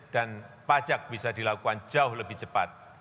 dan pajak bisa dilakukan jauh lebih cepat